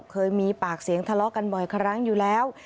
เคยมีปากเสียงทะเลาะกันบ่อยครั้งอยู่แล้ว